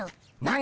何！？